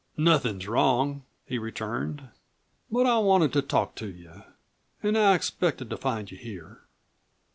"Nothin' is wrong," he returned. "But I wanted to talk to you, an' I expected to find you here."